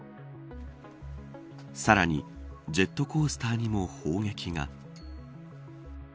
さらに、ジェットコースターにも砲撃が。